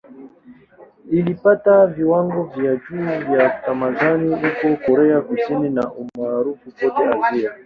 Ilipata viwango vya juu vya watazamaji huko Korea Kusini na umaarufu kote Asia.